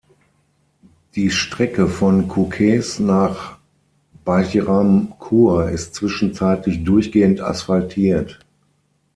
Die Strecke von Kukës nach Bajram Curr ist zwischenzeitlich durchgehend asphaltiert.